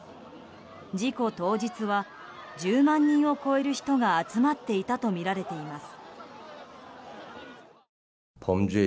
事故当日は１０万人を超える人が集まっていたとみられています。